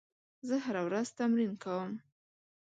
زه هره ورځ تمرین کوم.